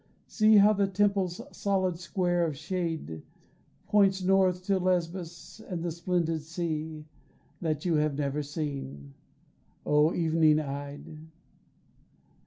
See how the temple's solid square of shade Points north to Lesbos, and the splendid sea That you have never seen, oh evening eyed.